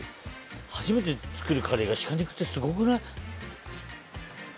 初めて作るカレーが鹿肉ってすごくない？